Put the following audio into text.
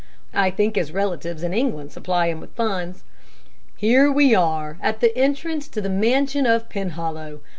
I think his relatives in England supply him with funds. Here we are at the entrance to the mansion of Penhollow.